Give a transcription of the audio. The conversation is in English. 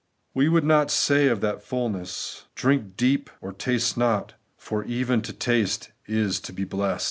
We would not say of that fulness, ' Drink deep or taste not,' for even to taste is to be blest.